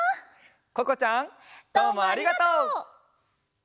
ここちゃん。どうもありがとう！